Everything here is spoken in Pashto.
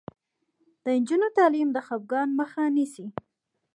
د نجونو تعلیم د خپګان مخه نیسي.